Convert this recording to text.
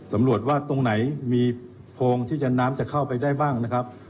สำรวจว่าตรงไหนมีโพงที่น้ำจะเข้าไปได้บ้างนะครับ